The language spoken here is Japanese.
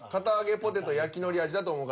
ポテト焼きのり味だと思う方。